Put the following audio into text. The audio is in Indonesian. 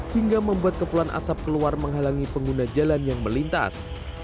hingga membuat kepulan asap keluar menghalangi pengguna jalan yang melintas